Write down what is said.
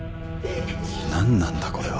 何なんだこれは？